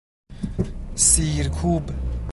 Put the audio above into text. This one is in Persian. سیر کوب